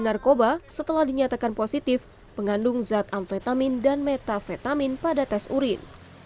narkoba setelah dinyatakan positif pengandung zat amfetamin dan metafetamin pada tes urin